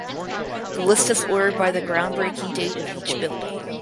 The list is ordered by the groundbreaking date of each building.